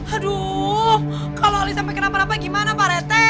aduh kalau ali sampai kenapa napa gimana pak rt